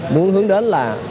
muốn hướng đến là